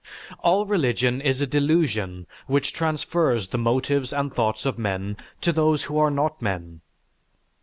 All religion is a delusion which transfers the motives and thoughts of men to those who are not men.